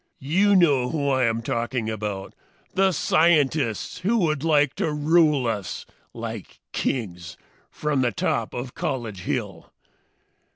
"You know who I am talking about! The scientists who would like to rule us, like kings, from the top of College Hill!